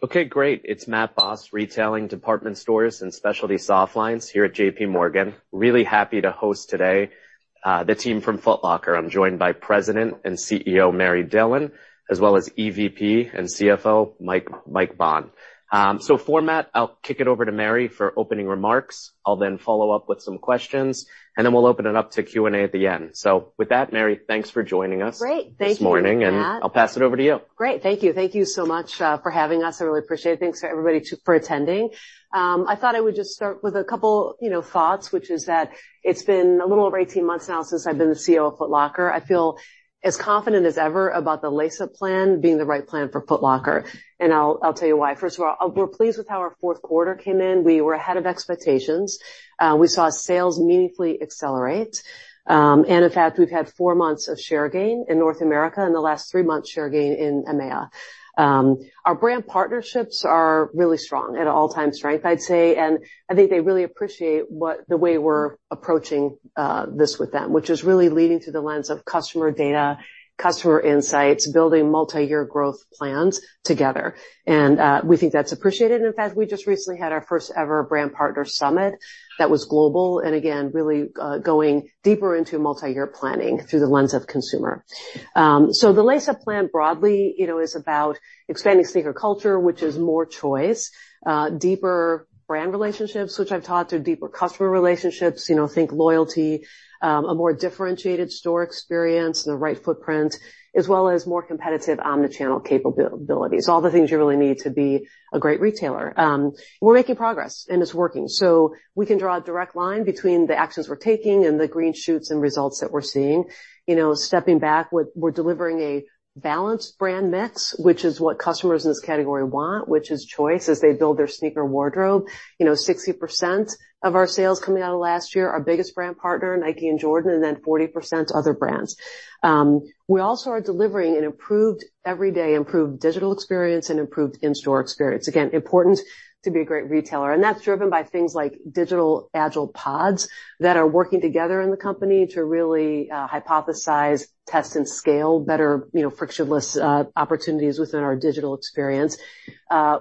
Okay, great! It's Matt Boss, Retailing, Department Stores and Specialty Softlines here at JPMorgan. Really happy to host today, the team from Foot Locker. I'm joined by President and CEO, Mary Dillon, as well as EVP and CFO, Mike, Mike Baughn. So format, I'll kick it over to Mary for opening remarks. I'll then follow up with some questions, and then we'll open it up to Q&A at the end. So with that, Mary, thanks for joining us- Great. Thank you, Matt. This morning, and I'll pass it over to you. Great. Thank you. Thank you so much for having us. I really appreciate it. Thanks to everybody for attending. I thought I would just start with a couple, you know, thoughts, which is that it's been a little over 18 months now since I've been the CEO of Foot Locker. I feel as confident as ever about the Lace Up plan being the right plan for Foot Locker, and I'll tell you why. First of all, we're pleased with how our fourth quarter came in. We were ahead of expectations. We saw sales meaningfully accelerate. And in fact, we've had four months of share gain in North America, and the last three months, share gain in EMEA. Our brand partnerships are really strong, at an all-time strength, I'd say, and I think they really appreciate the way we're approaching this with them, which is really leading through the lens of customer data, customer insights, building multi-year growth plans together, and we think that's appreciated. In fact, we just recently had our first ever brand partner summit that was global, and again, really going deeper into multi-year planning through the lens of consumer. So the Lace Up plan broadly, you know, is about expanding sneaker culture, which is more choice, deeper brand relationships, which I've talked to, deeper customer relationships, you know, think loyalty, a more differentiated store experience, the right footprint, as well as more competitive omnichannel capabilities, all the things you really need to be a great retailer. We're making progress, and it's working. So we can draw a direct line between the actions we're taking and the green shoots and results that we're seeing. You know, stepping back, we're delivering a balanced brand mix, which is what customers in this category want, which is choice, as they build their sneaker wardrobe. You know, 60% of our sales coming out of last year, our biggest brand partner, Nike and Jordan, and then 40%, other brands. We also are delivering an improved, everyday improved digital experience and improved in-store experience. Again, important to be a great retailer, and that's driven by things like digital agile pods that are working together in the company to really, hypothesize, test, and scale better, you know, frictionless, opportunities within our digital experience.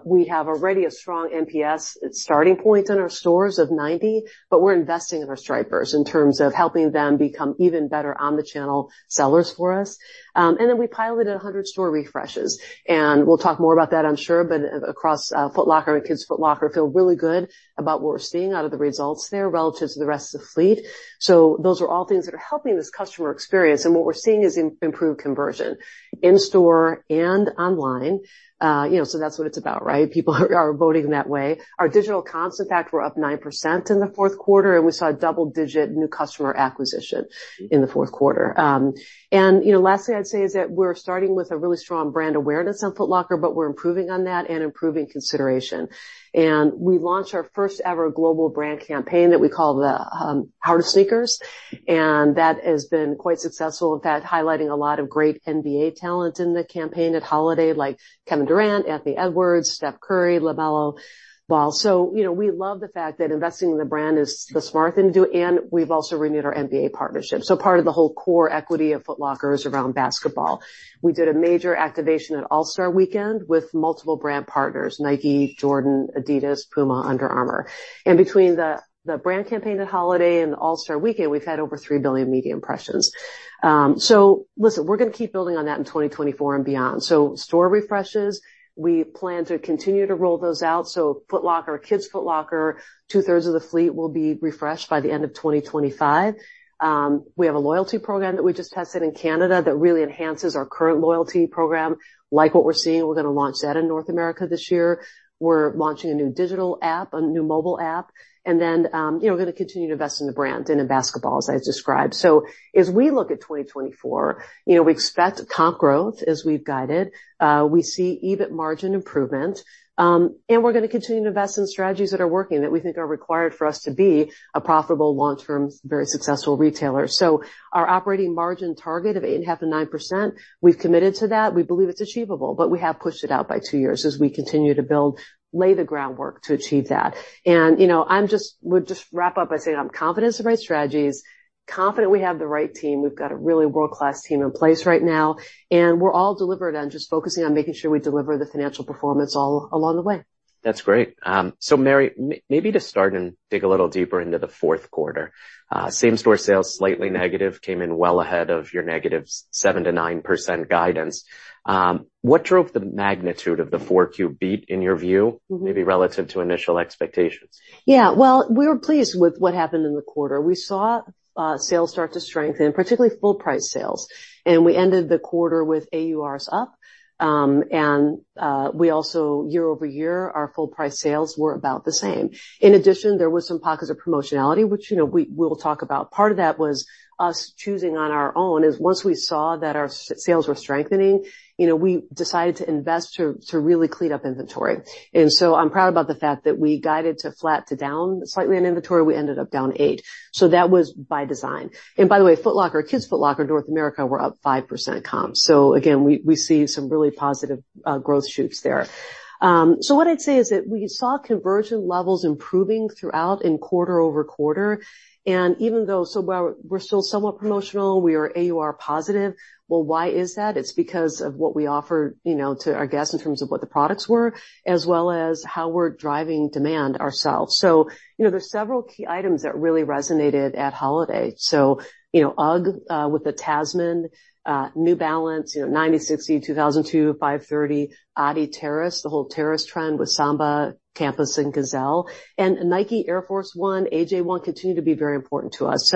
We have already a strong NPS starting point in our stores of 90, but we're investing in our Stripers in terms of helping them become even better omnichannel sellers for us. And then we piloted 100 store refreshes, and we'll talk more about that, I'm sure, but across Foot Locker and Kids Foot Locker, feel really good about what we're seeing out of the results there relative to the rest of the fleet. So those are all things that are helping this customer experience, and what we're seeing is improved conversion in store and online. You know, so that's what it's about, right? People are voting in that way. Our digital comps, in fact, were up 9% in the fourth quarter, and we saw a double-digit new customer acquisition in the fourth quarter. And, you know, last thing I'd say is that we're starting with a really strong brand awareness on Foot Locker, but we're improving on that and improving consideration. We launched our first ever global brand campaign that we call the Heart of Sneakers, and that has been quite successful. In fact, highlighting a lot of great NBA talent in the campaign at holiday, like Kevin Durant, Anthony Edwards, Steph Curry, LaMelo Ball. So, you know, we love the fact that investing in the brand is the smart thing to do, and we've also renewed our NBA partnership. Part of the whole core equity of Foot Locker is around basketball. We did a major activation at All-Star Weekend with multiple brand partners, Nike, Jordan, adidas, PUMA, Under Armour. Between the brand campaign at holiday and the All-Star Weekend, we've had over 3 billion media impressions. So listen, we're gonna keep building on that in 2024 and beyond. So store refreshes, we plan to continue to roll those out, so Foot Locker, Kids Foot Locker, two-thirds of the fleet will be refreshed by the end of 2025. We have a loyalty program that we just tested in Canada that really enhances our current loyalty program. Like what we're seeing, we're gonna launch that in North America this year. We're launching a new digital app, a new mobile app, and then, you know, we're gonna continue to invest in the brand and in basketball, as I described. So as we look at 2024, you know, we expect comp growth, as we've guided. We see EBIT margin improvement, and we're gonna continue to invest in strategies that are working, that we think are required for us to be a profitable, long-term, very successful retailer. So our operating margin target of 8.5%-9%, we've committed to that. We believe it's achievable, but we have pushed it out by 2 years as we continue to lay the groundwork to achieve that. And, you know, I would just wrap up by saying I'm confident in the right strategies, confident we have the right team. We've got a really world-class team in place right now, and we're all delivered on just focusing on making sure we deliver the financial performance all along the way. ...That's great. So Mary, maybe to start and dig a little deeper into the fourth quarter, same-store sales, slightly negative, came in well ahead of your -7%-9% guidance. What drove the magnitude of the Q4 beat, in your view, maybe relative to initial expectations? Yeah. Well, we were pleased with what happened in the quarter. We saw sales start to strengthen, particularly full price sales, and we ended the quarter with AURs up. And we also, year-over-year, our full price sales were about the same. In addition, there was some pockets of promotionality, which, you know, we, we'll talk about. Part of that was us choosing on our own, is once we saw that our sales were strengthening, you know, we decided to invest to really clean up inventory. And so I'm proud about the fact that we guided to flat to down, slightly in inventory, we ended up down 8. So that was by design. And by the way, Foot Locker, Kids Foot Locker, North America, were up 5% comp. So again, we see some really positive growth shoots there. So what I'd say is that we saw conversion levels improving throughout quarter-over-quarter, and even though while we're still somewhat promotional, we are AUR positive. Well, why is that? It's because of what we offer, you know, to our guests in terms of what the products were, as well as how we're driving demand ourselves. So, you know, there's several key items that really resonated at holiday. So, you know, UGG with the Tasman, New Balance, you know, 9060, 2002, 530, adidas Terrace, the whole terrace trend with Samba, Campus, and Gazelle, and Nike Air Force 1, AJ 1, continue to be very important to us.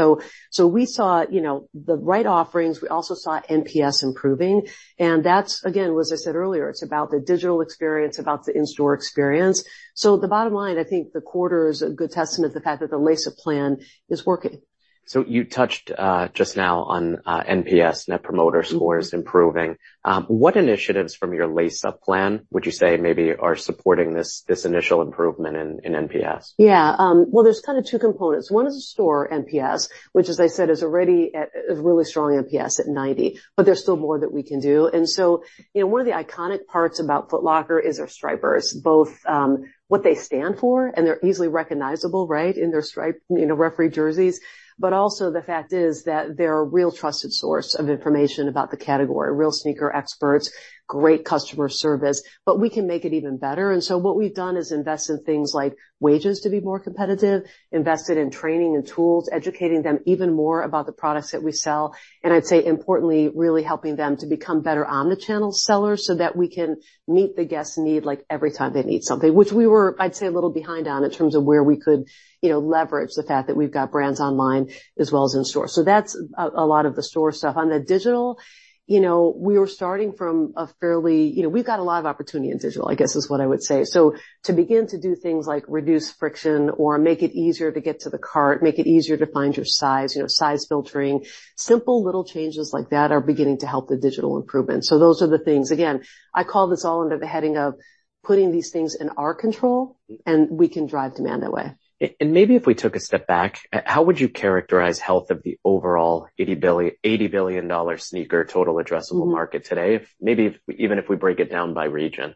So we saw, you know, the right offerings. We also saw NPS improving, and that's again, as I said earlier, it's about the digital experience, about the in-store experience. The bottom line, I think the quarter is a good testament to the fact that the Lace Up plan is working. So you touched just now on NPS, Net Promoter Scores, improving. What initiatives from your Lace Up plan would you say maybe are supporting this initial improvement in NPS? Yeah, well, there's kind of two components. One is the store NPS, which, as I said, is already at a really strong NPS at 90, but there's still more that we can do. And so, you know, one of the iconic parts about Foot Locker is our Stripers, both, what they stand for, and they're easily recognizable, right? In their striped, you know, referee jerseys. But also, the fact is that they're a real trusted source of information about the category, real sneaker experts, great customer service, but we can make it even better. So what we've done is invest in things like wages to be more competitive, invested in training and tools, educating them even more about the products that we sell, and I'd say, importantly, really helping them to become better omnichannel sellers so that we can meet the guest's need, like, every time they need something, which we were, I'd say, a little behind on in terms of where we could, you know, leverage the fact that we've got brands online as well as in store. So that's a lot of the store stuff. On the digital, you know, we were starting from a fairly... You know, we've got a lot of opportunity in digital, I guess, is what I would say. So to begin to do things like reduce friction or make it easier to get to the cart, make it easier to find your size, you know, size filtering, simple little changes like that are beginning to help the digital improvement. So those are the things. Again, I call this all under the heading of putting these things in our control, and we can drive demand that way. Maybe if we took a step back, how would you characterize the health of the overall $80 billion sneaker total addressable market today? Even if we break it down by region.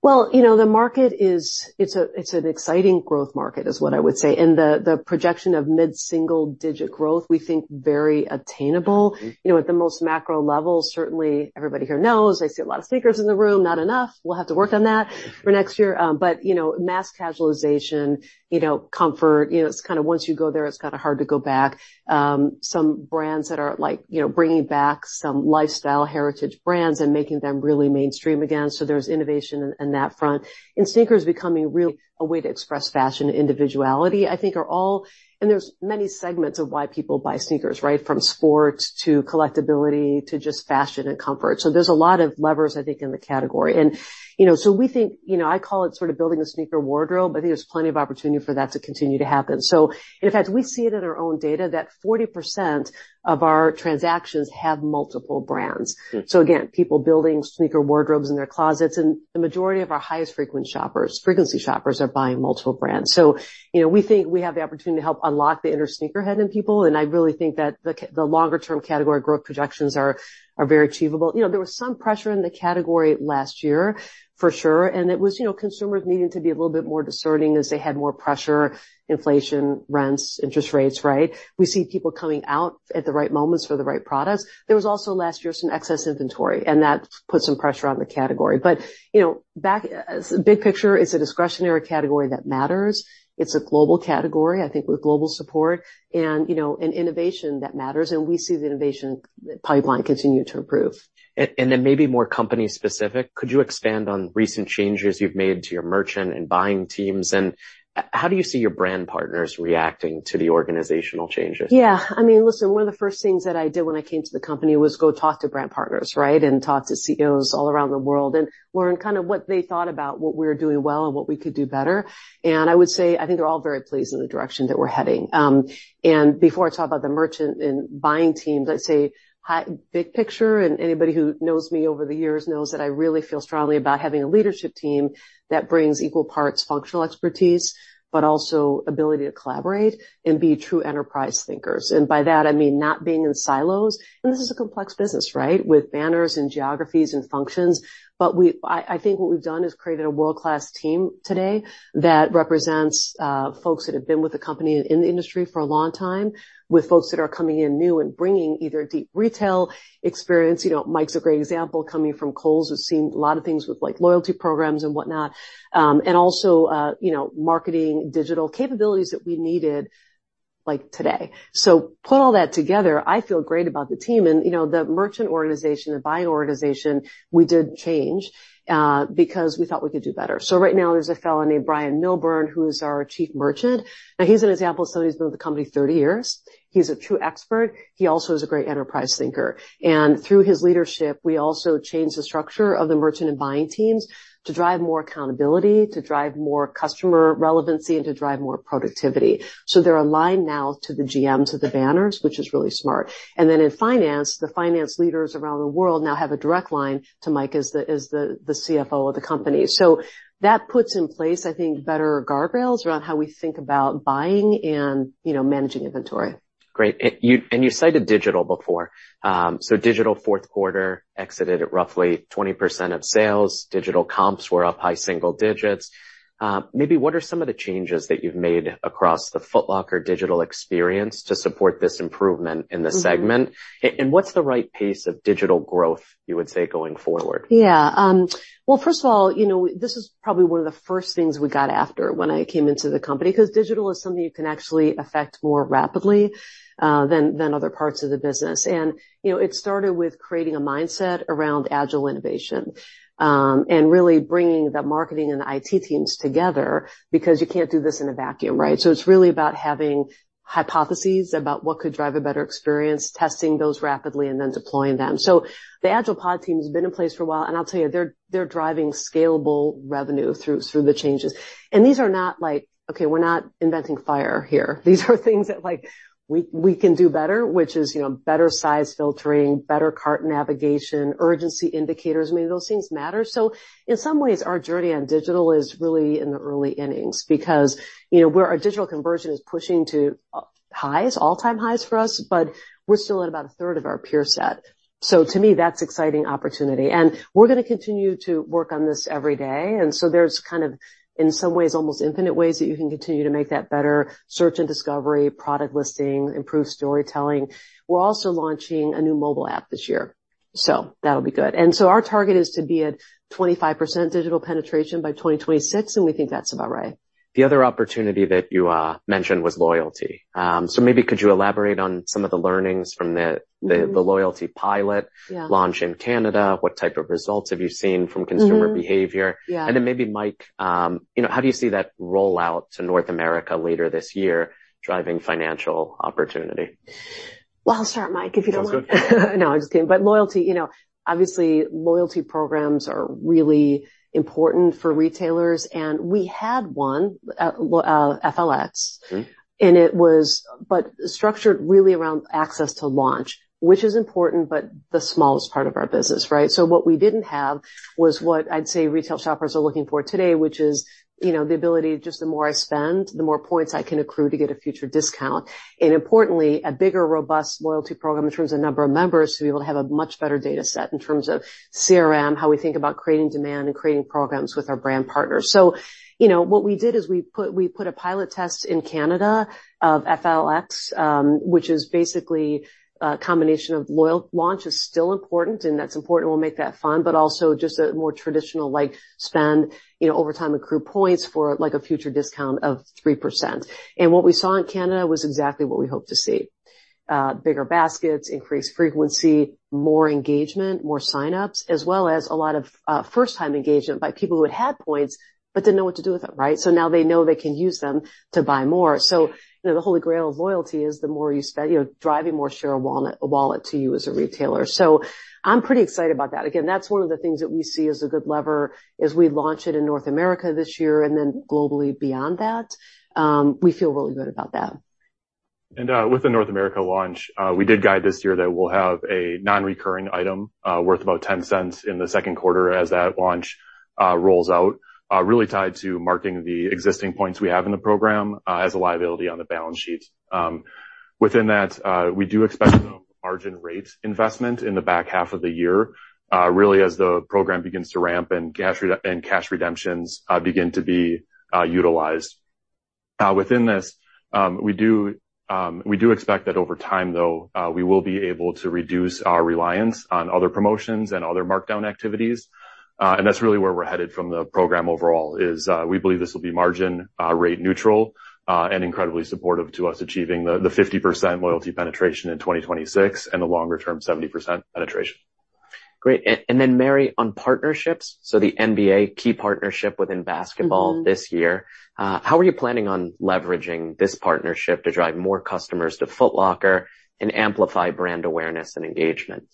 Well, you know, the market is, it's an exciting growth market, is what I would say. And the projection of mid-single digit growth, we think, very attainable. Mm-hmm. You know, at the most macro level, certainly everybody here knows, I see a lot of sneakers in the room, not enough. We'll have to work on that for next year. But, you know, mass casualization, you know, comfort, you know, it's kind of once you go there, it's kind of hard to go back. Some brands that are like, you know, bringing back some lifestyle heritage brands and making them really mainstream again, so there's innovation on that front. And sneakers becoming really a way to express fashion and individuality, I think are all- And there's many segments of why people buy sneakers, right? From sports, to collectibility, to just fashion and comfort. So there's a lot of levers, I think, in the category. And, you know, so we think... You know, I call it sort of building a sneaker wardrobe, but I think there's plenty of opportunity for that to continue to happen. So in fact, we see it in our own data that 40% of our transactions have multiple brands. Mm. So again, people building sneaker wardrobes in their closets, and the majority of our highest frequent shoppers, frequency shoppers, are buying multiple brands. So, you know, we think we have the opportunity to help unlock the inner sneakerhead in people, and I really think that the longer term category growth projections are very achievable. You know, there was some pressure in the category last year, for sure, and it was, you know, consumers needing to be a little bit more discerning as they had more pressure, inflation, rents, interest rates, right? We see people coming out at the right moments for the right products. There was also, last year, some excess inventory, and that put some pressure on the category. But, you know, back, big picture, it's a discretionary category that matters. It's a global category, I think, with global support and, you know, and innovation that matters, and we see the innovation pipeline continue to improve. And then, maybe more company specific, could you expand on recent changes you've made to your merchant and buying teams, and how do you see your brand partners reacting to the organizational changes? Yeah. I mean, listen, one of the first things that I did when I came to the company was go talk to brand partners, right? And talk to CEOs all around the world and learn kind of what they thought about what we were doing well and what we could do better. And I would say, I think they're all very pleased in the direction that we're heading. And before I talk about the merchant and buying teams, I'd say, big picture, and anybody who knows me over the years knows that I really feel strongly about having a leadership team that brings equal parts functional expertise, but also ability to collaborate and be true enterprise thinkers. And by that, I mean, not being in silos. And this is a complex business, right? With banners and geographies and functions. I think what we've done is created a world-class team today that represents folks that have been with the company and in the industry for a long time, with folks that are coming in new and bringing either deep retail experience. You know, Mike's a great example, coming from Kohl's, who's seen a lot of things with, like, loyalty programs and whatnot, and also, you know, marketing digital capabilities that we needed. Like today. So put all that together, I feel great about the team, and, you know, the merchant organization, the buying organization, we did change because we thought we could do better. So right now, there's a fellow named Bryon Milburn, who's our Chief Merchant, and he's an example of somebody who's been with the company 30 years. He's a true expert. He also is a great enterprise thinker, and through his leadership, we also changed the structure of the merchant and buying teams to drive more accountability, to drive more customer relevancy, and to drive more productivity. So they're aligned now to the GMs of the banners, which is really smart. And then in finance, the finance leaders around the world now have a direct line to Mike as the CFO of the company. So that puts in place, I think, better guardrails around how we think about buying and, you know, managing inventory. Great. And you cited digital before. So digital fourth quarter exited at roughly 20% of sales. Digital comps were up high single digits. Maybe what are some of the changes that you've made across the Foot Locker digital experience to support this improvement in the segment? Mm-hmm. What's the right pace of digital growth, you would say, going forward? Yeah, well, first of all, you know, this is probably one of the first things we got after when I came into the company, 'cause digital is something you can actually affect more rapidly, than other parts of the business. And, you know, it started with creating a mindset around agile innovation, and really bringing the marketing and IT teams together because you can't do this in a vacuum, right? So it's really about having hypotheses about what could drive a better experience, testing those rapidly, and then deploying them. So the agile pod team has been in place for a while, and I'll tell you, they're driving scalable revenue through the changes. And these are not like... Okay, we're not inventing fire here. These are things that, like, we can do better, which is, you know, better size filtering, better cart navigation, urgency indicators. I mean, those things matter. So in some ways, our journey on digital is really in the early innings because, you know, where our digital conversion is pushing to highs, all-time highs for us, but we're still at about a third of our peer set. So to me, that's exciting opportunity, and we're gonna continue to work on this every day. And so there's kind of, in some ways, almost infinite ways that you can continue to make that better: search and discovery, product listing, improved storytelling. We're also launching a new mobile app this year, so that'll be good. And so our target is to be at 25% digital penetration by 2026, and we think that's about right. The other opportunity that you mentioned was loyalty. So maybe could you elaborate on some of the learnings from the- Mm-hmm. -The loyalty pilot- Yeah... launch in Canada? What type of results have you seen from consumer behavior? Mm-hmm. Yeah. And then maybe, Mike, you know, how do you see that roll out to North America later this year, driving financial opportunity? Well, I'll start, Mike, if you don't mind. That's good. No, I'm just kidding. But loyalty, you know, obviously, loyalty programs are really important for retailers, and we had one, FLX. Mm-hmm. And it was, but structured really around access to launch, which is important, but the smallest part of our business, right? So what we didn't have was what I'd say retail shoppers are looking for today, which is, you know, the ability to just the more I spend, the more points I can accrue to get a future discount. And importantly, a bigger, robust loyalty program in terms of number of members, so we will have a much better data set in terms of CRM, how we think about creating demand and creating programs with our brand partners. So, you know, what we did is we put, we put a pilot test in Canada of FLX, which is basically a combination of loyal- Launch is still important, and that's important. We'll make that fun, but also just a more traditional, like, spend, you know, over time, accrue points for, like, a future discount of 3%. And what we saw in Canada was exactly what we hoped to see: bigger baskets, increased frequency, more engagement, more sign-ups, as well as a lot of first-time engagement by people who had had points but didn't know what to do with them, right? So now they know they can use them to buy more. So, you know, the Holy Grail of loyalty is the more you spend, you know, driving more share of wallet, a wallet to you as a retailer. So I'm pretty excited about that. Again, that's one of the things that we see as a good lever as we launch it in North America this year, and then globally beyond that. We feel really good about that. With the North America launch, we did guide this year that we'll have a non-recurring item worth about $0.10 in the second quarter as that launch rolls out, really tied to marking the existing points we have in the program as a liability on the balance sheet. Within that, we do expect margin rate investment in the back half of the year, really, as the program begins to ramp and cash redemptions begin to be utilized. Within this, we do, we do expect that over time, though, we will be able to reduce our reliance on other promotions and other markdown activities. And that's really where we're headed from the program overall, is, we believe this will be margin rate neutral, and incredibly supportive to us achieving the 50% loyalty penetration in 2026 and the longer term, 70% penetration.... Great! And then Mary, on partnerships, so the NBA key partnership within basketball- Mm-hmm. This year, how are you planning on leveraging this partnership to drive more customers to Foot Locker and amplify brand awareness and engagement?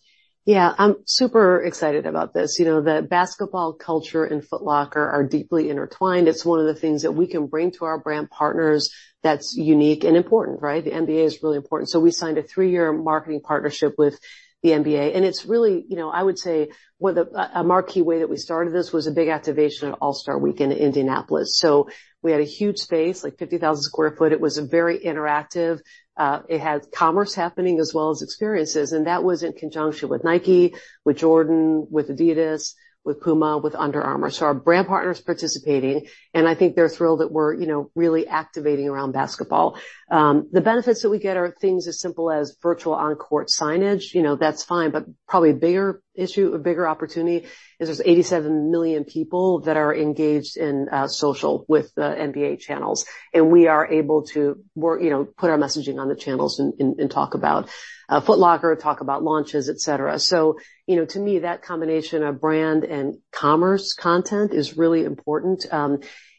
Yeah, I'm super excited about this. You know, the basketball culture and Foot Locker are deeply intertwined. It's one of the things that we can bring to our brand partners that's unique and important, right? The NBA is really important. So we signed a three-year marketing partnership with the NBA, and it's really, you know, I would say, with a marquee way that we started this was a big activation at All-Star Weekend in Indianapolis. So we had a huge space, like 50,000 sq ft. It was a very interactive. It had commerce happening as well as experiences, and that was in conjunction with Nike, with Jordan, with adidas, with PUMA, with Under Armour, so our brand partners participating, and I think they're thrilled that we're, you know, really activating around basketball. The benefits that we get are things as simple as virtual on-court signage. You know, that's fine, but probably a bigger issue, a bigger opportunity is there's 87 million people that are engaged in social with the NBA channels, and we are able to work, you know, put our messaging on the channels and talk about Foot Locker, talk about launches, et cetera. So, you know, to me, that combination of brand and commerce content is really important.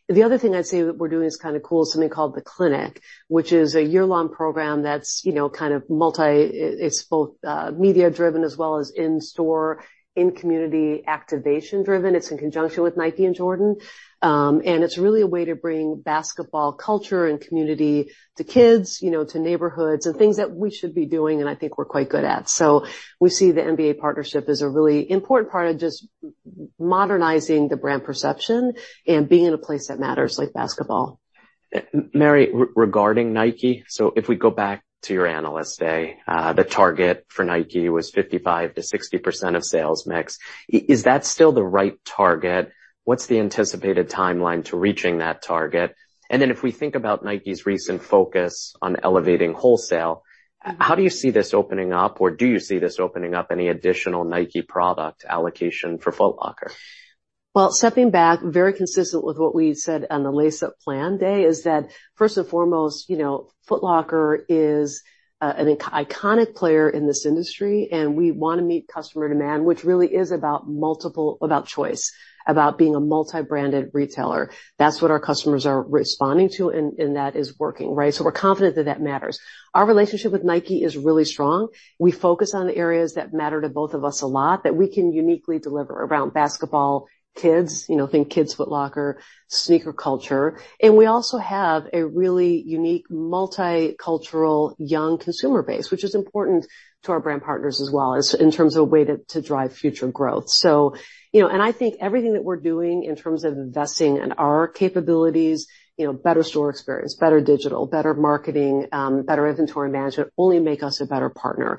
The other thing I'd say that we're doing is kind of cool, is something called The Clinic, which is a year-long program that's, you know, kind of both media driven as well as in-store, in-community activation driven. It's in conjunction with Nike and Jordan, and it's really a way to bring basketball culture and community to kids, you know, to neighborhoods, and things that we should be doing, and I think we're quite good at. So we see the NBA partnership as a really important part of just modernizing the brand perception and being in a place that matters, like basketball. Mary, regarding Nike, so if we go back to your Analyst Day, the target for Nike was 55%-60% of sales mix. Is that still the right target? What's the anticipated timeline to reaching that target? And then, if we think about Nike's recent focus on elevating wholesale, how do you see this opening up, or do you see this opening up any additional Nike product allocation for Foot Locker? Well, stepping back, very consistent with what we said on the Lace Up Plan Day, is that, first and foremost, you know, Foot Locker is an iconic player in this industry, and we wanna meet customer demand, which really is about multiple... about choice, about being a multi-branded retailer. That's what our customers are responding to, and that is working, right? So we're confident that that matters. Our relationship with Nike is really strong. We focus on the areas that matter to both of us a lot, that we can uniquely deliver around basketball, kids, you know, think Kids' Foot Locker, sneaker culture, and we also have a really unique, multicultural, young consumer base, which is important to our brand partners as well, as in terms of a way to drive future growth. So, you know, and I think everything that we're doing in terms of investing in our capabilities, you know, better store experience, better digital, better marketing, better inventory management, only make us a better partner.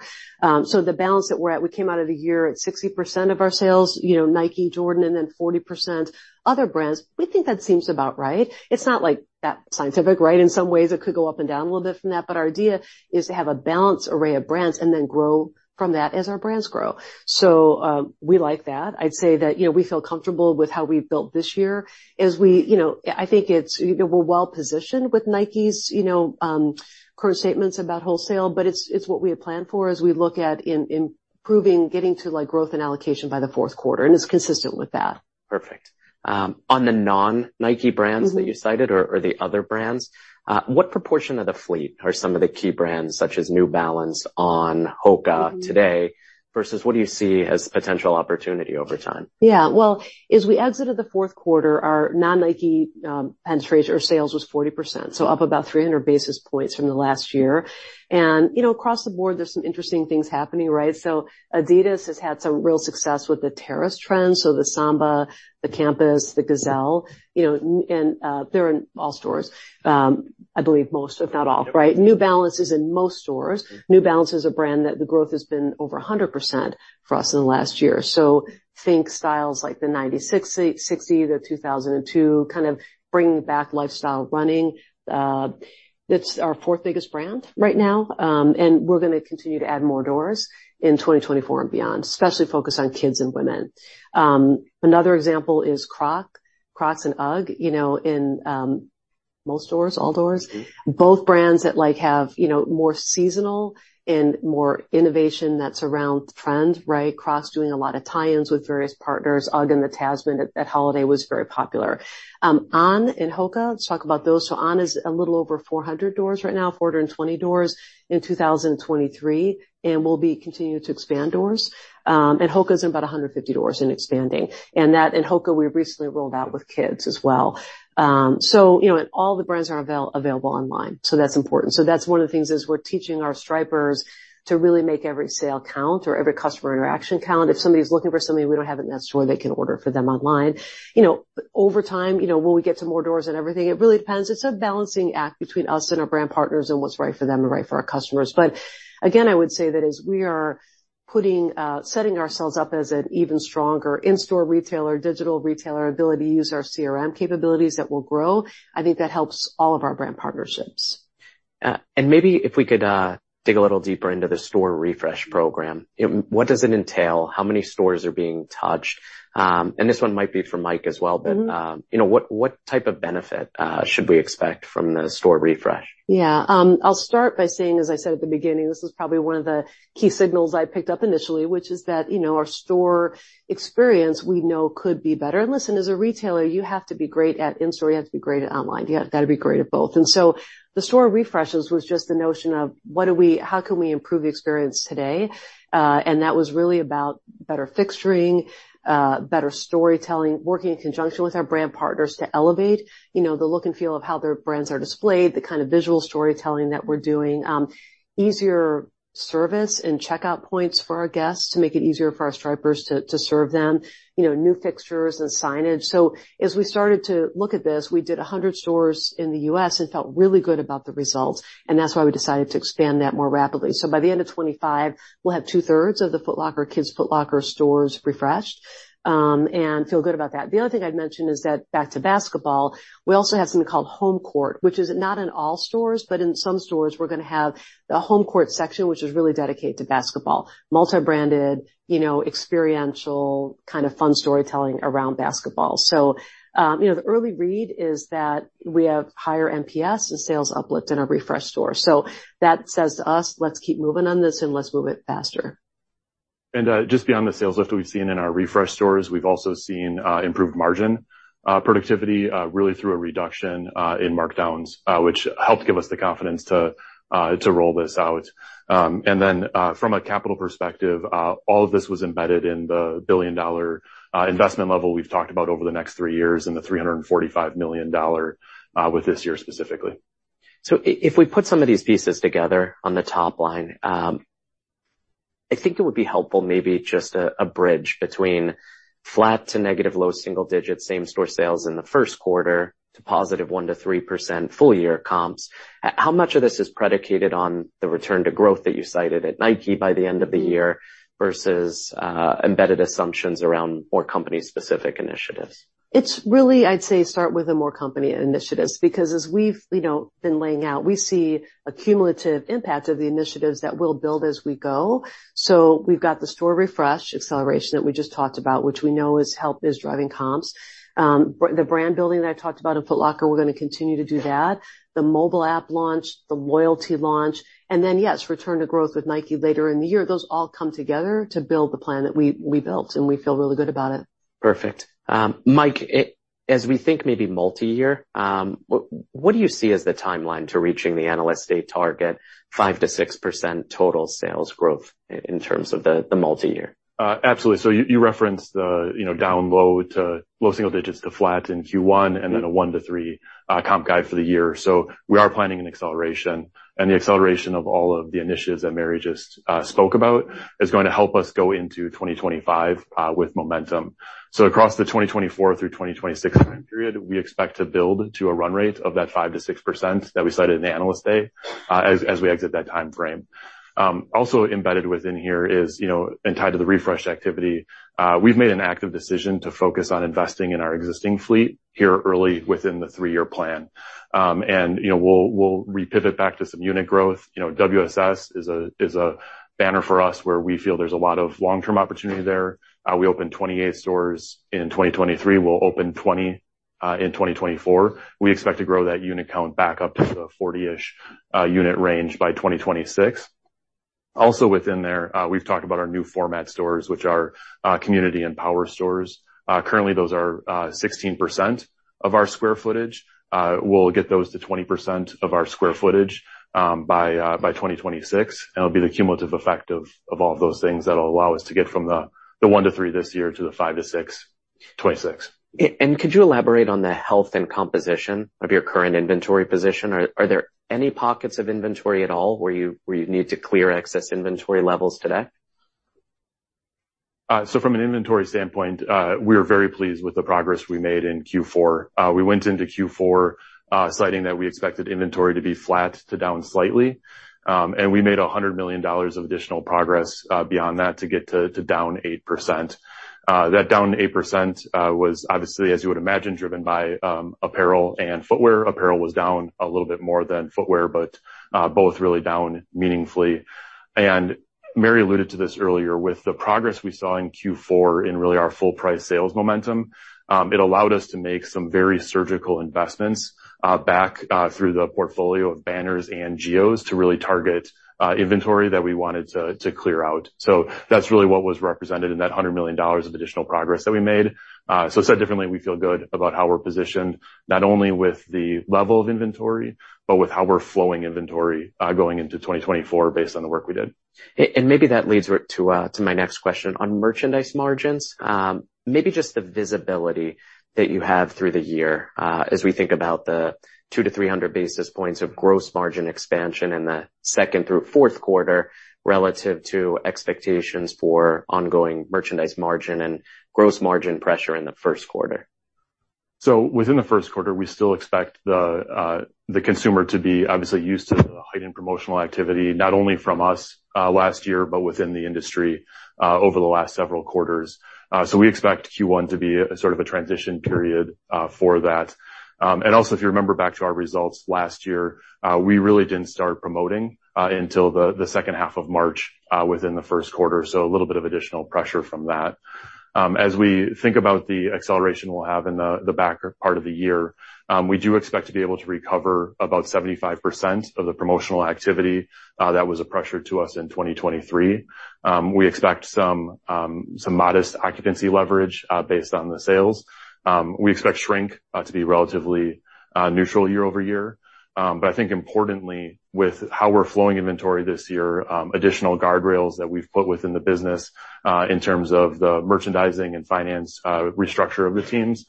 So the balance that we're at, we came out of the year at 60% of our sales, you know, Nike, Jordan, and then 40% other brands. We think that seems about right. It's not, like, that scientific, right? In some ways, it could go up and down a little bit from that, but our idea is to have a balanced array of brands and then grow from that as our brands grow. So, we like that. I'd say that, you know, we feel comfortable with how we've built this year. As we... You know, I think it's, you know, we're well positioned with Nike's, you know, current statements about wholesale, but it's, it's what we had planned for as we look at improving, getting to, like, growth and allocation by the fourth quarter, and it's consistent with that. Perfect. On the non-Nike brands- Mm-hmm. that you cited or the other brands, what proportion of the fleet are some of the key brands, such as New Balance, On, HOKA today? Mm-hmm. versus what do you see as potential opportunity over time? Yeah. Well, as we exited the fourth quarter, our non-Nike penetration or sales was 40%, so up about 300 basis points from the last year. And, you know, across the board, there's some interesting things happening, right? So adidas has had some real success with the terrace trend, so the Samba, the Campus, the Gazelle, you know, and they're in all stores, I believe most, if not all, right? New Balance is in most stores. New Balance is a brand that the growth has been over 100% for us in the last year. So think styles like the 9060, the 2002, kind of bringing back lifestyle running. It's our fourth biggest brand right now, and we're gonna continue to add more doors in 2024 and beyond, especially focused on kids and women. Another example is Crocs and UGG, you know, in most stores, all stores. Mm-hmm. Both brands that, like, have, you know, more seasonal and more innovation that's around trend, right? Crocs doing a lot of tie-ins with various partners. UGG and the Tasman at holiday was very popular. On and HOKA, let's talk about those. So On is a little over 400 stores right now, 420 stores in 2023, and we'll be continuing to expand stores. And HOKA is about 150 stores and expanding, and that... In HOKA, we recently rolled out with kids as well. So, you know, and all the brands are available online, so that's important. So that's one of the things, is we're teaching our Stripers to really make every sale count or every customer interaction count. If somebody's looking for something and we don't have it in that store, they can order for them online. You know, over time, you know, when we get to more doors and everything, it really depends. It's a balancing act between us and our brand partners and what's right for them and right for our customers. But again, I would say that as we are putting, setting ourselves up as an even stronger in-store retailer, digital retailer, ability to use our CRM capabilities that will grow, I think that helps all of our brand partnerships. Maybe if we could dig a little deeper into the store refresh program. You know, what does it entail? How many stores are being touched? And this one might be for Mike as well- Mm-hmm. But, you know, what type of benefit should we expect from the store refresh? Yeah. I'll start by saying, as I said at the beginning, this is probably one of the key signals I picked up initially, which is that, you know, our store experience we know could be better. And listen, as a retailer, you have to be great at in-store, you have to be great at online. You have got to be great at both. And so the store refreshes was just the notion of: How can we improve the experience today? And that was really about better fixturing, better storytelling, working in conjunction with our brand partners to elevate, you know, the look and feel of how their brands are displayed, the kind of visual storytelling that we're doing, easier service and checkout points for our guests to make it easier for our Stripers to serve them, you know, new fixtures and signage. So as we started to look at this, we did 100 stores in the US, and felt really good about the results, and that's why we decided to expand that more rapidly. So by the end of 2025, we'll have two-thirds of the Foot Locker, Kids Foot Locker stores refreshed, and feel good about that. The other thing I'd mention is that back to basketball, we also have something called Home Court, which is not in all stores, but in some stores, we're gonna have the Home Court section, which is really dedicated to basketball, multi-branded, you know, experiential, kind of fun storytelling around basketball. So, you know, the early read is that we have higher MPS and sales uplift in our refreshed stores. So that says to us, let's keep moving on this and let's move it faster. Just beyond the sales lift that we've seen in our refresh stores, we've also seen improved margin productivity really through a reduction in markdowns, which helped give us the confidence to roll this out. Then, from a capital perspective, all of this was embedded in the $1 billion investment level we've talked about over the next three years, and the $345 million with this year specifically. So if we put some of these pieces together on the top line, I think it would be helpful, maybe just a bridge between flat to negative, low single digits, same-store sales in the first quarter to positive 1%-3% full year comps. How much of this is predicated on the return to growth that you cited at Nike by the end of the year versus embedded assumptions around more company-specific initiatives? It's really, I'd say, start with the more company initiatives, because as we've, you know, been laying out, we see a cumulative impact of the initiatives that we'll build as we go. So we've got the store refresh acceleration that we just talked about, which we know is driving comps. The brand building that I talked about in Foot Locker, we're gonna continue to do that. The mobile app launch, the loyalty launch, and then, yes, return to growth with Nike later in the year. Those all come together to build the plan that we, we built, and we feel really good about it. Perfect. Mike, as we think maybe multi-year, what do you see as the timeline to reaching the analyst day target, 5%-6% total sales growth in terms of the multi-year? Absolutely. So you referenced the, you know, down low to low single digits to flat in Q1, and then a one to three comp guide for the year. So we are planning an acceleration, and the acceleration of all of the initiatives that Mary just spoke about is going to help us go into 2025 with momentum. So across the 2024 through 2026 time period, we expect to build to a run rate of that 5%-6% that we cited in the Analyst Day as we exit that time frame. Also embedded within here is, you know, and tied to the refresh activity, we've made an active decision to focus on investing in our existing fleet here early within the three year plan. And, you know, we'll repivot back to some unit growth. You know, WSS is a banner for us where we feel there's a lot of long-term opportunity there. We opened 28 stores in 2023. We'll open 20 in 2024. We expect to grow that unit count back up to the 40-ish unit range by 2026. Also within there, we've talked about our new format stores, which are community and power stores. Currently, those are 16% of our square footage. We'll get those to 20% of our square footage by 2026, and it'll be the cumulative effect of all those things that will allow us to get from the one to three this year to the five to six, 2026. Could you elaborate on the health and composition of your current inventory position? Are there any pockets of inventory at all, where you need to clear excess inventory levels today? So from an inventory standpoint, we're very pleased with the progress we made in Q4. We went into Q4, citing that we expected inventory to be flat to down slightly, and we made $100 million of additional progress beyond that to get to down 8%. That down 8% was obviously, as you would imagine, driven by apparel and footwear. Apparel was down a little bit more than footwear, but both really down meaningfully. And Mary alluded to this earlier with the progress we saw in Q4 in really our full price sales momentum, it allowed us to make some very surgical investments back through the portfolio of banners and geos to really target inventory that we wanted to clear out. So that's really what was represented in that $100 million of additional progress that we made. So said differently, we feel good about how we're positioned, not only with the level of inventory, but with how we're flowing inventory, going into 2024, based on the work we did. Maybe that leads to my next question. On merchandise margins, maybe just the visibility that you have through the year, as we think about the 200-300 basis points of gross margin expansion in the second through fourth quarter, relative to expectations for ongoing merchandise margin and gross margin pressure in the first quarter. So within the first quarter, we still expect the consumer to be obviously used to the heightened promotional activity, not only from us last year, but within the industry over the last several quarters. So we expect Q1 to be a sort of a transition period for that. And also, if you remember back to our results last year, we really didn't start promoting until the second half of March within the first quarter, so a little bit of additional pressure from that. As we think about the acceleration we'll have in the back half of the year, we do expect to be able to recover about 75% of the promotional activity that was a pressure to us in 2023. We expect some modest occupancy leverage, based on the sales. We expect shrink to be relatively neutral year-over-year. But I think importantly, with how we're flowing inventory this year, additional guardrails that we've put within the business, in terms of the merchandising and finance restructure of the teams,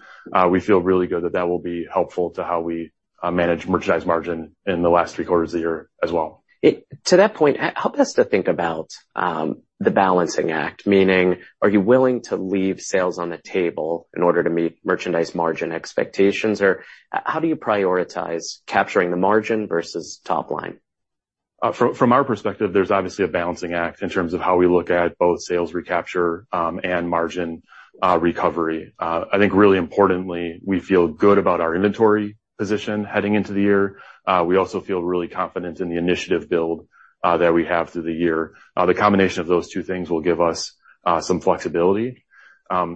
we feel really good that that will be helpful to how we manage merchandise margin in the last three quarters of the year as well. To that point, help us to think about the balancing act, meaning, are you willing to leave sales on the table in order to meet merchandise margin expectations? Or how do you prioritize capturing the margin versus top line? From our perspective, there's obviously a balancing act in terms of how we look at both sales recapture and margin recovery. I think really importantly, we feel good about our inventory position heading into the year. We also feel really confident in the initiative build that we have through the year. The combination of those two things will give us some flexibility.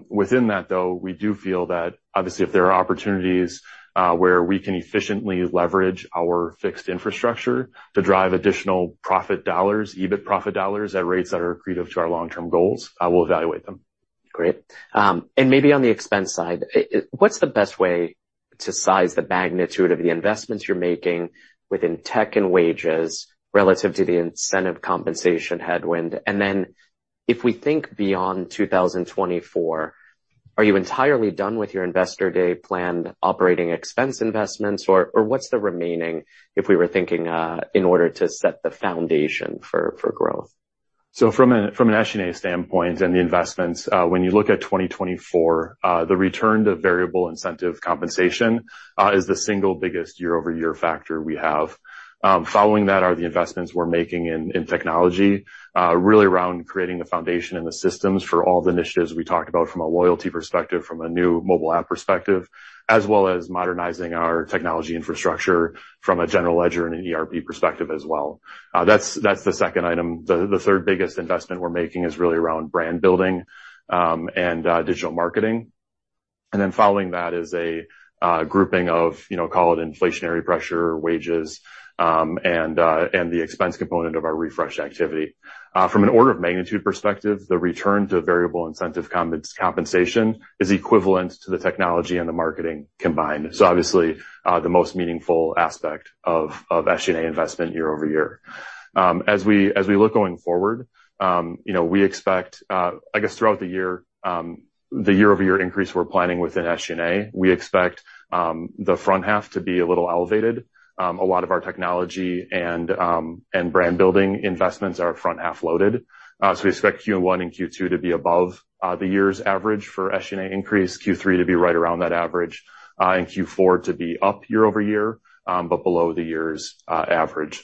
Within that, though, we do feel that obviously, if there are opportunities where we can efficiently leverage our fixed infrastructure to drive additional profit dollars, EBIT profit dollars, at rates that are accretive to our long-term goals, I will evaluate them. Great. And maybe on the expense side, what's the best way to size the magnitude of the investments you're making within tech and wages relative to the incentive compensation headwind? And then if we think beyond 2024, are you entirely done with your Investor Day planned operating expense investments, or, or what's the remaining, if we were thinking, in order to set the foundation for, for growth? So from an SG&A standpoint and the investments, when you look at 2024, the return to variable incentive compensation is the single biggest year-over-year factor we have. Following that are the investments we're making in technology, really around creating the foundation and the systems for all the initiatives we talked about from a loyalty perspective, from a new mobile app perspective, as well as modernizing our technology infrastructure from a general ledger and an ERP perspective as well. That's the second item. The third biggest investment we're making is really around brand building, and digital marketing. And then following that is a grouping of, you know, call it inflationary pressure, wages, and the expense component of our refresh activity. From an order of magnitude perspective, the return to variable incentive compensation is equivalent to the technology and the marketing combined. So obviously, the most meaningful aspect of SG&A investment year over year. As we look going forward, you know, we expect, I guess, throughout the year, the year-over-year increase we're planning within SG&A, we expect the front half to be a little elevated. A lot of our technology and brand building investments are front-half loaded. So we expect Q1 and Q2 to be above the year's average for SG&A increase, Q3 to be right around that average, and Q4 to be up year over year, but below the year's average.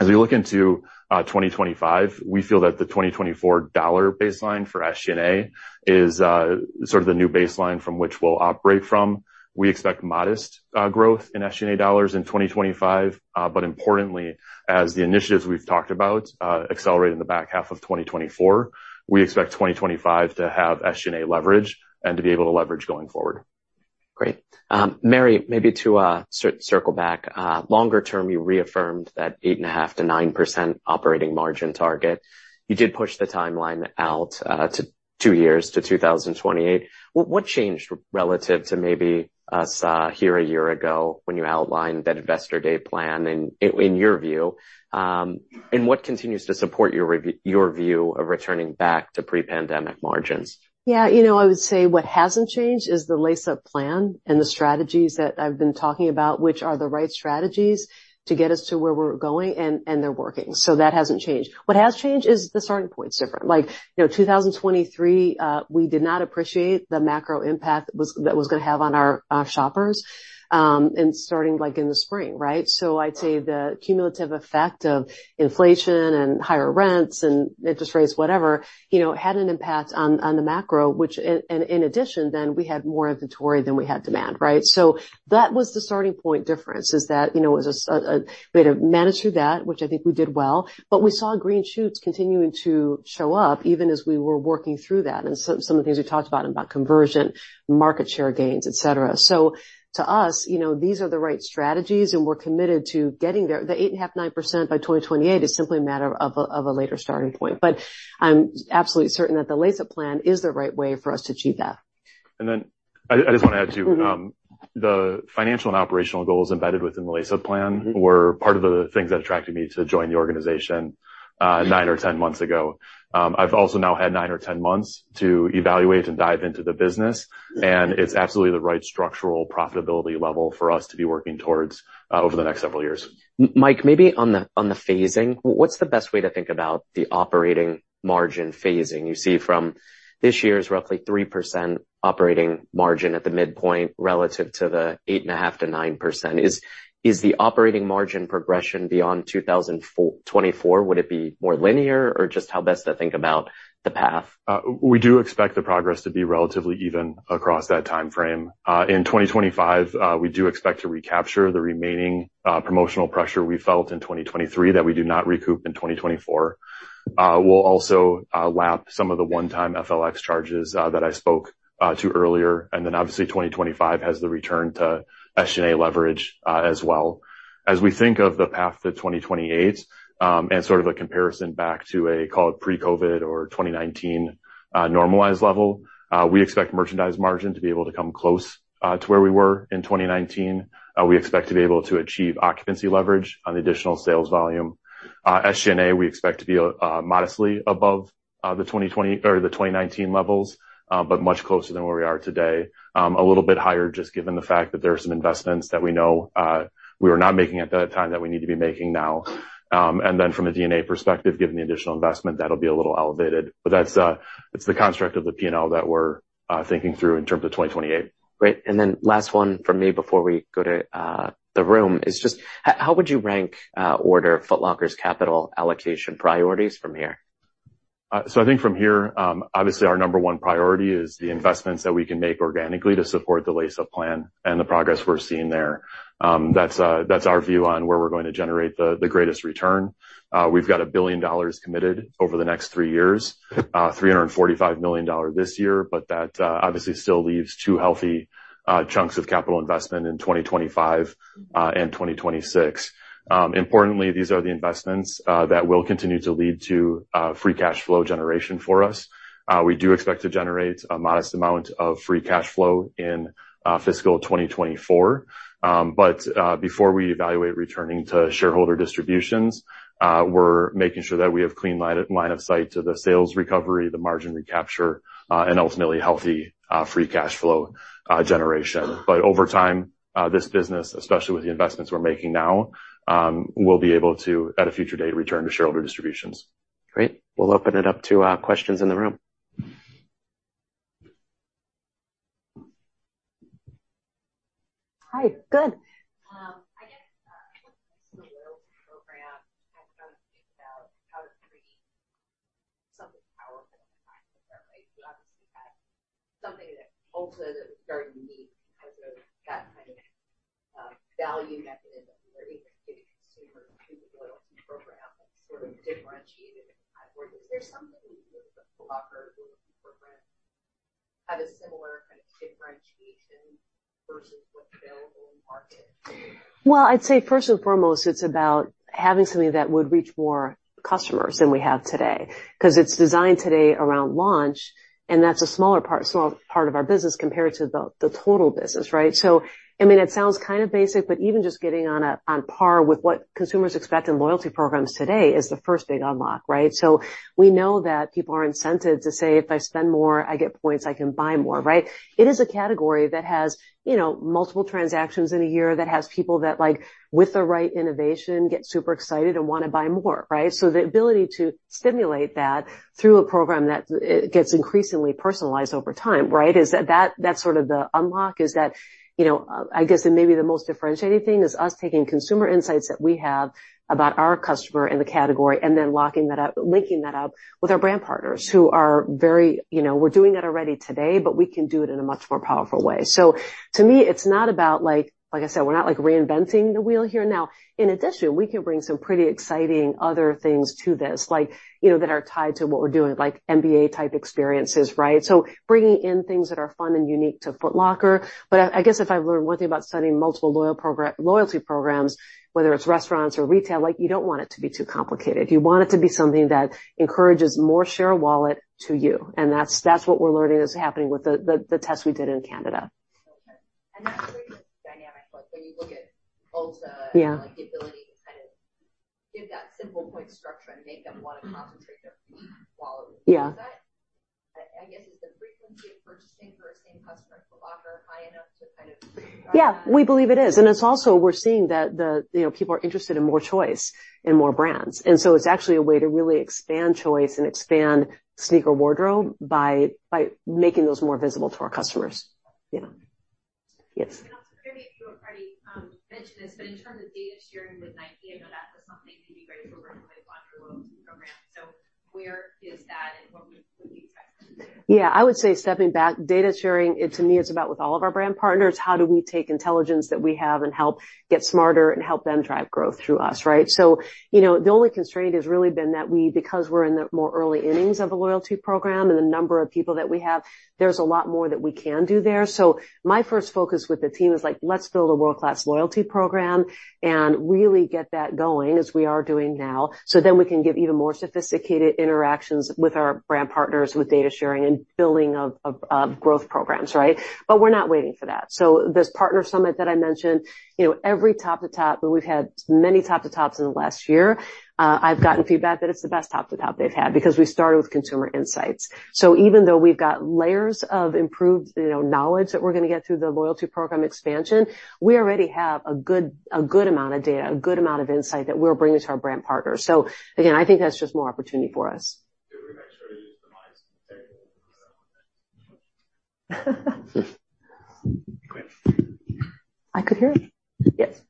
As we look into 2025, we feel that the 2024 dollar baseline for SG&A is sort of the new baseline from which we'll operate from. We expect modest growth in SG&A dollars in 2025, but importantly, as the initiatives we've talked about accelerate in the back half of 2024, we expect 2025 to have SG&A leverage and to be able to leverage going forward. Great. Mary, maybe to circle back longer term, you reaffirmed that 8.5%-9% operating margin target. You did push the timeline out to two years to 2028. What, what changed relative to maybe us here a year ago when you outlined that Investor Day plan in your view? And what continues to support your view of returning back to pre-pandemic margins? Yeah, you know, I would say what hasn't changed is the Lace Up plan and the strategies that I've been talking about, which are the right strategies to get us to where we're going, and they're working. So that hasn't changed. What has changed is the starting point's different. Like, you know, 2023, we did not appreciate the macro impact that was gonna have on our shoppers, and starting, like, in the spring, right? So I'd say the cumulative effect of inflation and higher rents and interest rates, whatever, you know, had an impact on the macro, which, in addition, we had more inventory than we had demand, right? So that was the starting point difference, is that, you know, as we had to manage through that, which I think we did well, but we saw green shoots continuing to show up, even as we were working through that, and some of the things we talked about, about conversion, market share gains, et cetera. So to us, you know, these are the right strategies, and we're committed to getting there. The 8.5%-9% by 2028 is simply a matter of a later starting point. But I'm absolutely certain that the Lace Up plan is the right way for us to achieve that. And then I just want to add, too, the financial and operational goals embedded within the Lace Up plan- Mm-hmm. were part of the things that attracted me to join the organization, nine or 10 months ago. I've also now had nine or 10 months to evaluate and dive into the business, and it's absolutely the right structural profitability level for us to be working towards, over the next several years. Mike, maybe on the, on the phasing, what's the best way to think about the operating margin phasing you see from this year's roughly 3% operating margin at the midpoint relative to the 8.5%-9%? Is the operating margin progression beyond 2024, would it be more linear, or just how best to think about the path? We do expect the progress to be relatively even across that timeframe. In 2025, we do expect to recapture the remaining promotional pressure we felt in 2023, that we do not recoup in 2024. We'll also lap some of the one-time FLX charges that I spoke to earlier. And then, obviously, 2025 has the return to SG&A leverage as well. As we think of the path to 2028, and sort of a comparison back to a, call it, pre-COVID or 2019 normalized level, we expect merchandise margin to be able to come close to where we were in 2019. We expect to be able to achieve occupancy leverage on the additional sales volume. SG&A, we expect to be modestly above the 2020... or the 2019 levels, but much closer than where we are today. A little bit higher, just given the fact that there are some investments that we know, we were not making at that time, that we need to be making now. And then from a D&A perspective, given the additional investment, that'll be a little elevated. But that's, it's the construct of the P&L that we're, thinking through in terms of 2028. Great. And then last one from me before we go to the room, is just how, how would you rank, order Foot Locker's capital allocation priorities from here? ... So I think from here, obviously, our number one priority is the investments that we can make organically to support the Lace Up plan and the progress we're seeing there. That's our view on where we're going to generate the greatest return. We've got $1 billion committed over the next three years, $345 million this year, but that obviously still leaves two healthy chunks of capital investment in 2025 and 2026. Importantly, these are the investments that will continue to lead to free cash flow generation for us. We do expect to generate a modest amount of free cash flow in fiscal 2024. But before we evaluate returning to shareholder distributions, we're making sure that we have clean line of sight to the sales recovery, the margin recapture, and ultimately, healthy free cash flow generation. But over time, this business, especially with the investments we're making now, we'll be able to, at a future date, return to shareholder distributions. Great. We'll open it up to questions in the room. Hi. Good. I guess, program, I'm trying to think about how to create something powerful in the time, right? You obviously had something that Ulta that was very unique because of that kind of, value mechanism, where you could get consumers through the loyalty program and sort of differentiated. Is there something with the Foot Locker loyalty program have a similar kind of differentiation versus what's available in the market? Well, I'd say first and foremost, it's about having something that would reach more customers than we have today, because it's designed today around launch, and that's a smaller part, small part of our business compared to the, the total business, right? So, I mean, it sounds kind of basic, but even just getting on par with what consumers expect in loyalty programs today is the first big unlock, right? So we know that people are incented to say, If I spend more, I get points, I can buy more, right? It is a category that has, you know, multiple transactions in a year, that has people that, like, with the right innovation, get super excited and want to buy more, right? So the ability to stimulate that through a program that gets increasingly personalized over time, right? Is that sort of the unlock, you know, I guess, and maybe the most differentiating thing is us taking consumer insights that we have about our customer in the category and then locking that up—linking that up with our brand partners who are very... You know, we're doing that already today, but we can do it in a much more powerful way. So to me, it's not about like, like I said, we're not, like, reinventing the wheel here. Now, in addition, we can bring some pretty exciting other things to this, like, you know, that are tied to what we're doing, like NBA-type experiences, right? So bringing in things that are fun and unique to Foot Locker. I guess if I've learned one thing about studying multiple loyalty programs, whether it's restaurants or retail, like, you don't want it to be too complicated. You want it to be something that encourages more share of wallet to you, and that's what we're learning is happening with the test we did in Canada. Okay. That's really dynamic, like when you look at Ulta- Yeah. like, the ability to kind of give that simple point structure and make them want to concentrate their wallet. Yeah. Is that... I guess, is the frequency of purchasing for a same customer at Foot Locker high enough to kind of- -eah, we believe it is. And it's also, we're seeing that the, you know, people are interested in more choice /and more brands. And so it's actually a way to really expand choice and expand sneaker wardrobe by, by making those more visible to our customers. Yeah. Yes. And also, maybe if you already mentioned this, but in terms of data sharing with Nike, I know that was something you'd be great for working with on your loyalty program. So where is that, and what would we expect you to do? Yeah, I would say stepping back, data sharing. To me, it's about with all of our brand partners, how do we take intelligence that we have and help get smarter and help them drive growth through us, right? So, you know, the only constraint has really been that we, because we're in the more early innings of a loyalty program and the number of people that we have, there's a lot more that we can do there. So my first focus with the team is, like, let's build a world-class loyalty program and really get that going as we are doing now, so then we can give even more sophisticated interactions with our brand partners, with data sharing and building of growth programs, right? But we're not waiting for that. /So this partner summit that I mentioned, you know, every top-to-top, and we've had many top-to-tops in the last year. I've gotten feedback that it's the best top-to-top they've had because we started with consumer insights. So even though we've got layers of improved, you know, knowledge that we're going to get through the loyalty program expansion, we already have a good, a good amount of data, a good amount of insight that we're bringing to our brand partners. So again, I think that's just more opportunity for us. Could we make sure to use the mics? I could hear it. Yes.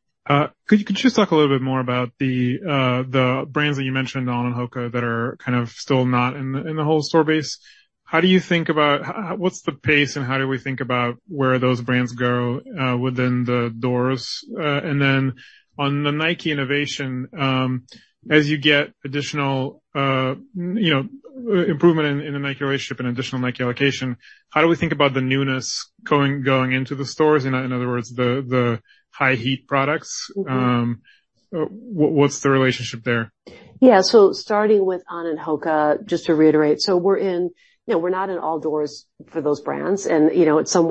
Could you just talk a little bit more about the brands that you mentioned, On and HOKA, that are kind of still not in the whole store base? How do you think about how, what's the pace, and how do we think about where those brands go within the doors? And then on the Nike innovation, as you get additional, you know, improvement in the Nike relationship and additional Nike allocation, how do we think about the newness going into the stores? In other words, the high heat products.++ Mm-hmm. What's the relationship there? Yeah, so starting with On and HOKA, just to reiterate, so we're in. You know, we're not in all doors for those brands, and, you know, it's some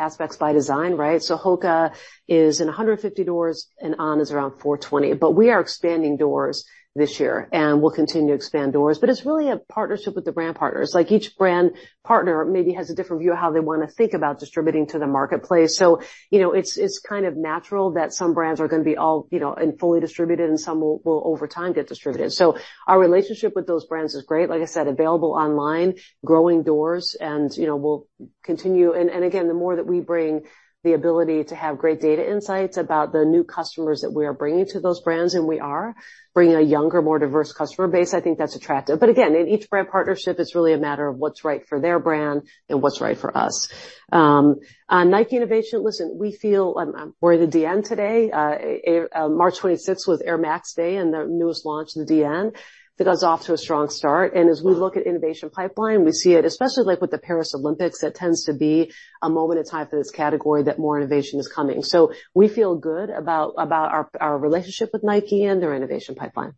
aspects by design, right? So HOKA is in 150 doors, and On is around 420. But we are expanding doors this year, and we'll continue to expand doors. But it's really a partnership with the brand partners. Like, each brand partner maybe has a different view of how they want to think about distributing to the marketplace. So, you know, it's kind of natural that some brands are going to be all, you know, and fully distributed, and some will, over time, get distributed. So our relationship with those brands is great. Like I said, available online, growing doors, and, you know, we'll continue. Again, the more that we bring the ability to have great data insights about the new customers that we are bringing to those brands, and we are bringing a younger, more diverse customer base, I think that's attractive. But again, in each brand partnership, it's really a matter of what's right for their brand and what's right for us. Nike innovation, listen, we feel, we're in the Dn today. March 26th was Air Max Day, and the newest launch in the Dn, it was off to a strong start. And as we look at innovation pipeline, we see it, especially like with the Paris Olympics, that tends to be a moment in time for this category that more innovation is coming. So we feel good about, about our, our relationship with Nike and their innovation pipeline.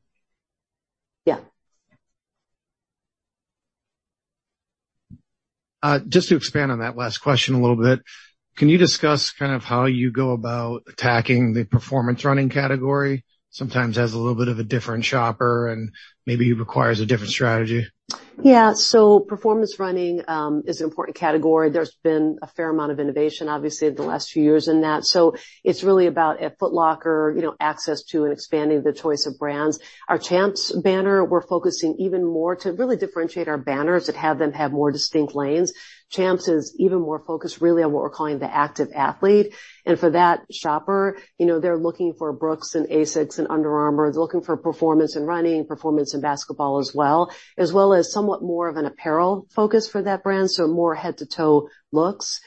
Yeah. Just to expand on that last question a little bit, can you discuss kind of how you go about attacking the performance running category? Sometimes has a little bit of a different shopper and maybe requires a different strategy. Yeah. So performance running is an important category. There's been a fair amount of innovation, obviously, in the last few years in that. So it's really about at Foot Locker, you know, access to and expanding the choice of brands. Our Champs banner, we're focusing even more to really differentiate our banners and have them have more distinct lanes. Champs is even more focused, really, on what we're calling the Active Athlete, and for that shopper, you know, they're looking for Brooks and ASICS and Under Armour. They're looking for performance in running, performance in basketball as well, as well as somewhat more of an apparel focus for that brand, so more head-to-toe looks,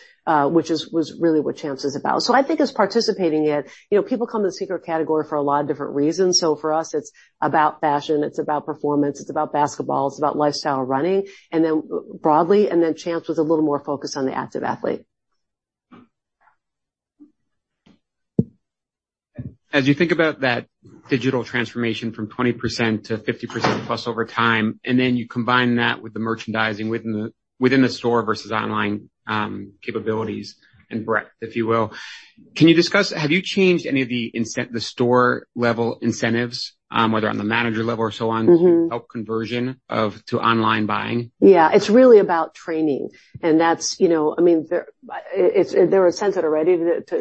which was really what Champs is about. So I think it's participating it. You know, people come to the sneaker category for a lot of different reasons. So for us, it's about fashion, it's about performance, it's about basketball, it's about lifestyle running, and then, broadly, Champs was a little more focused on the Active Athlete. As you think about that digital transformation from 20% to 50%+ over time, and then you combine that with the merchandising within the, within the store versus online, capabilities and breadth, if you will, can you discuss, have you changed any of the incentives, the store-level incentives, whether on the manager level or so on? Mm-hmm. to help conversion to online buying? Yeah. It's really about training, and that's, you know, I mean, there was incentive already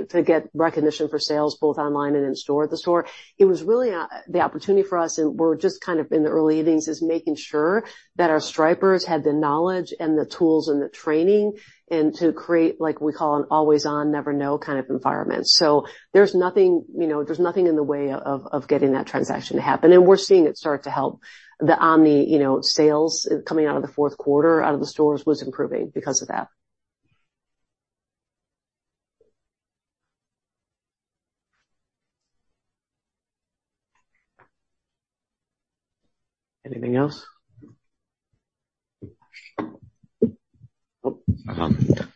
to get recognition for sales, both online and in store, at the store. It was really the opportunity for us, and we're just kind of in the early innings, is making sure that our Stripers have the knowledge and the tools and the training, and to create, like we call, an Always On, Never No kind of environment. So there's nothing, you know, there's nothing in the way of getting that transaction to happen, and we're seeing it start to help. The omni, you know, sales coming out of the fourth quarter, out of the stores, was improving because of that. Anything else? Oh.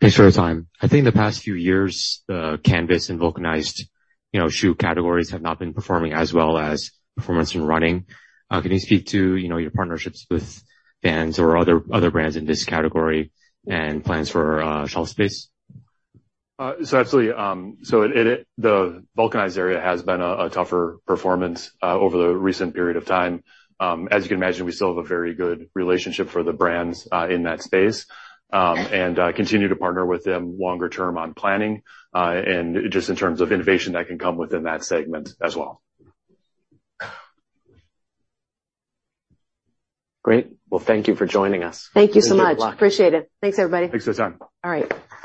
Thanks for your time. I think in the past few years, the canvas and vulcanized, you know, shoe categories have not been performing as well as performance in running. Can you speak to, you know, your partnerships with Vans or other, other brands in this category and plans for shelf space? So absolutely. So, the vulcanized area has been a tougher performance over the recent period of time. As you can imagine, we still have a very good relationship for the brands in that space, and continue to partner with them longer term on planning, and just in terms of innovation that can come within that segment as well. Great. Well, thank you for joining us. Thank you so much. Good luck. Appreciate it. Thanks, everybody. Thanks for your time. All right, bye.